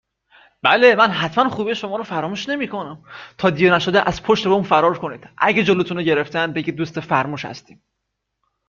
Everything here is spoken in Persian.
بله حتماً من خوبی شما رو فراموش نمی کنم. تا دیر نشده از پشت بوم فرار کنید. اگه جلوتونو گرفتن بگید دوست فرموش هستیم.